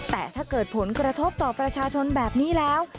แต่ถ้าเกิดผลกระทบต่อประชาชนแบบนี้แล้ว